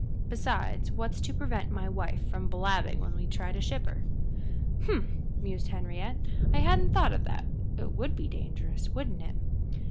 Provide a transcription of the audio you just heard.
Besides, what's to prevent my wife from blabbing when we try to ship her?" "H'm!" mused Henriette. "I hadn't thought of that it would be dangerous, wouldn't it?"